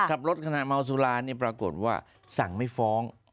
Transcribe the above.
ขับรถขณะเมาสุราเนี่ยปรากฏว่าสั่งไม่ฟ้อง